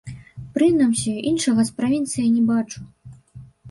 Прынамсі, іншага з правінцыі не бачу.